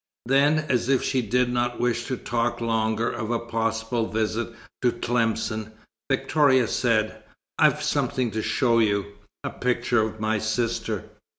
Then, as if she did not wish to talk longer of a possible visit to Tlemcen, Victoria said: "I've something to show you: a picture of my sister."